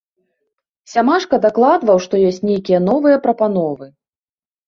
Сямашка дакладваў, што ёсць нейкія новыя прапановы.